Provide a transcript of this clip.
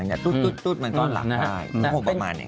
นมตู้ดมันก็หลับได้